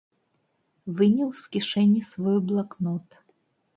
Выняў з кішэні свой блакнот.